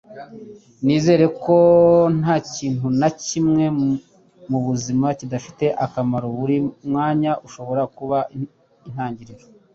Nizera ko nta kintu na kimwe mu buzima kidafite akamaro buri mwanya ushobora kuba intangiriro.” -